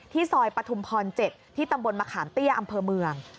ซอยปฐุมพร๗ที่ตำบลมะขามเตี้ยอำเภอเมือง